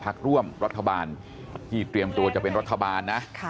พักร่วมรัฐบาลที่เตรียมตัวจะเป็นรัฐบาลนะ